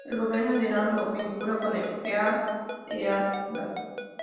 El gobierno de Irán lo vincula con Al Qaeda.